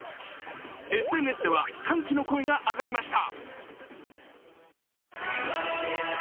ＳＮＳでは歓喜の声が上がりました。